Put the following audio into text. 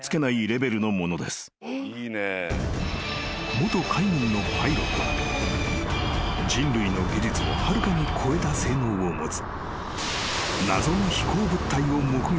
［元海軍のパイロットが人類の技術をはるかに超えた性能を持つ］